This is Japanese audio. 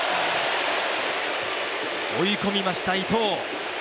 追い込みました、伊藤。